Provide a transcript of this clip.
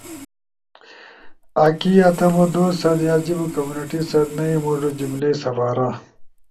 آکی یا تمو دوستو ست یا جیبو کمیونٹی ست نئی موڙو جملئی سپارا۔